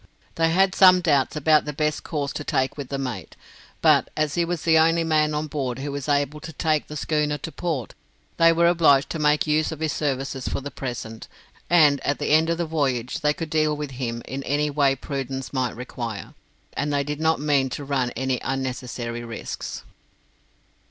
They had some doubts about the best course to take with the mate, but as he was the only man on board who was able to take the schooner to port, they were obliged to make use of his services for the present, and at the end of the voyage they could deal with him in any way prudence might require, and they did not mean to run any unnecessary risks.